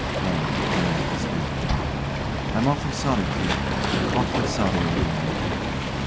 LARRY. [Hanging his head] I'm awfully sorry, Keith; awfully sorry, old man.